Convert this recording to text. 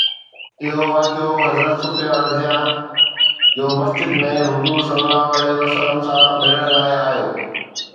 اهو واقعو حضرت صفيه رضه جو مسجد ۾ حضور ﷺ سان ملڻ لاءِ آيو